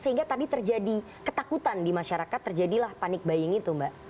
sehingga tadi terjadi ketakutan di masyarakat terjadilah panic buying itu mbak